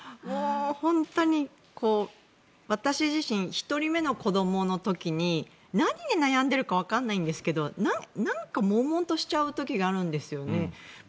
本当に、私自身１人目の子どもの時に何に悩んでいるのかわからないんですけどなんかもんもんとしちゃうことがあるんですよね。